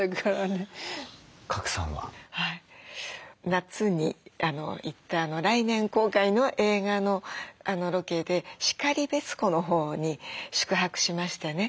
夏に行った来年公開の映画のロケで然別湖のほうに宿泊しましてね。